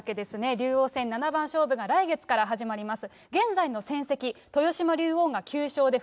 竜王戦七番勝負が来月から始まります。